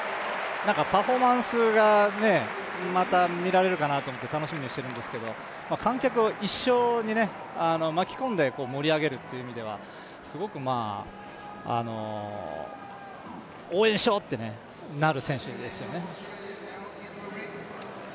パフォーマンスがまた見られるかなと思って楽しみにしているんですけど観客を一緒にね巻き込んで盛り上げるっていう意味ではすごく、応援しよう！ってなる選手ですよね。